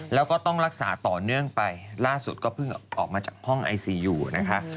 แล้วก็ต้องรักษาต่อเนื่องไปล่าสุดก็เพิ่งออกมาจากห้องไอซียูนะคะ